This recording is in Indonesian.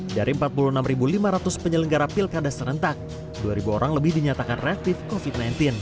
dari empat puluh enam lima ratus penyelenggara pilkada serentak dua orang lebih dinyatakan reaktif covid sembilan belas